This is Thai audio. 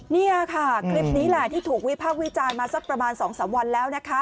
เนี่ยค่ะคลิปนี้ได้ถูกวิพักวิจัยมาสักประมาณ๒๓วันแล้ว